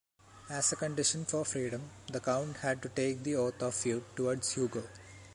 As a condition for freedom, the count had to take the oath of feud towards Hugo.